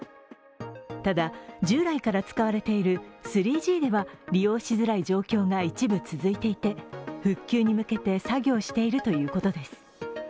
ただ、従来から使われている３Ｇでは利用しづらい状況が一部続いていて復旧に向けて作業しているということです。